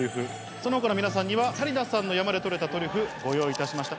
その他の皆さんには谷田さんの山で採れたトリュフご用意いたしました。